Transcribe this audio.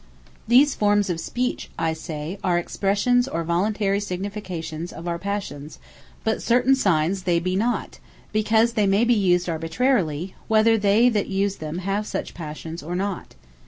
These forms of Speech, I say, are expressions, or voluntary significations of our Passions: but certain signes they be not; because they may be used arbitrarily, whether they that use them, have such Passions or not.